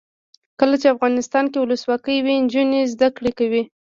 کله چې افغانستان کې ولسواکي وي نجونې زده کړې کوي.